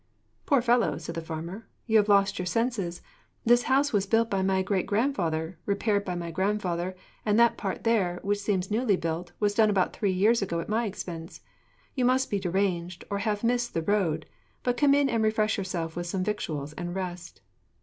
'Poor fellow,' said the farmer, 'you have lost your senses. This house was built by my great grandfather, repaired by my grandfather; and that part there, which seems newly built, was done about three years ago at my expense. You must be deranged, or have missed the road; but come in and refresh yourself with some victuals, and rest.'